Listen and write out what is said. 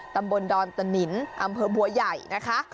ตำบลดอนตะนินอำเภอบัวใหญ่นะคะ